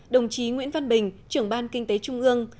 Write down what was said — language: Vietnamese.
đồng chí nguyễn văn bình trưởng ban kinh tế trung ương